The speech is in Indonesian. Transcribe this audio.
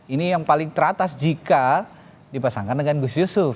ini yang paling teratas jika dipasangkan dengan gus yusuf